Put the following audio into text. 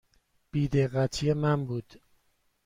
بی دقتی من بود.